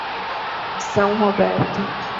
São Roberto